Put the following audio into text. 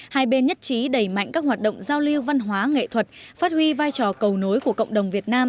hai bên nhất trí đẩy mạnh các hoạt động giao lưu văn hóa nghệ thuật phát huy vai trò cầu nối của cộng đồng việt nam